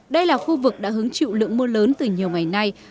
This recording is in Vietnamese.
đây là khu vực đã hứng chịu lượng mưa lớn từ nhiều ngày nay